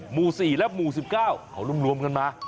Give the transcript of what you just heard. หมู่๔และหมู่๑๙เขารวมกันมา